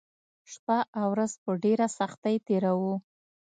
شپه او ورځ په ډېره سختۍ تېروو